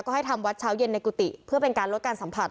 ก็ให้ทำวัดเช้าเย็นในกุฏิเพื่อเป็นการลดการสัมผัส